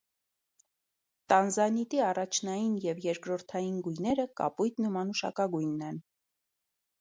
Տանզանիտի առաջնային և երկրորդային գույները կապույտն ու մանուշակագույնն են։